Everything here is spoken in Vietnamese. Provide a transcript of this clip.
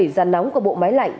giàn nóng của bộ máy lạnh